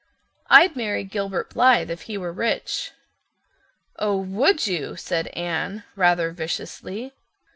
I'd marry Gilbert Blythe if he were rich." "Oh, would you?" said Anne, rather viciously.